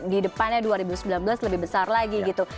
di depannya dua ribu sembilan belas lebih besar lagi gitu